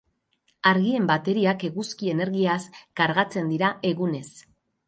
Argien bateriak eguzki energiaz kargatzen dira egunez.